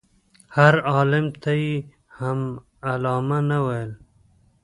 هر عالم ته یې هم علامه نه ویل.